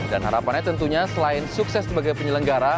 dan harapannya tentunya selain sukses sebagai penyelenggara